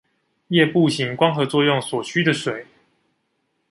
葉部行光合作用所需的水